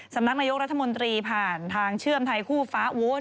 สำนักนายกรัฐมนตรีผ่านทางเชื่อมไทยคู่ฟ้าวูด